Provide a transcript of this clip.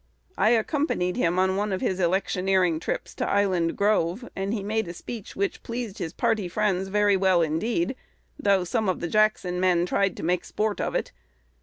"I accompanied him on one of his electioneering trips to Island Grove; and he made a speech which pleased his party friends very well indeed, though some of the Jackson men tried to make sport of it.